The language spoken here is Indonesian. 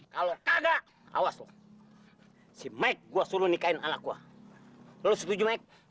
kalau kagak awas lo si maik gue suruh nikahin anak gue lo setuju maik